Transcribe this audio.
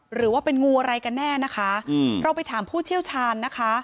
หรือว่าเป็นงูอะไรกันแน่นะคะอืมเราไปถามผู้เชี่ยวชาญนะคะ